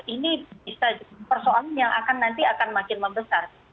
ini bisa jadi persoalan yang akan nanti akan makin membesar